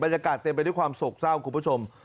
เต็มไปด้วยความโศกเศร้าคุณผู้ชม